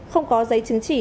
không có giấy chứng chỉ